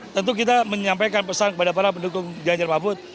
tentu kita menyampaikan pesan kepada para pendukung ganjar mahfud